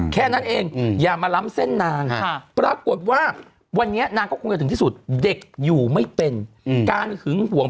แค่นั้นเองอย่ามาล้ำเส้นนาง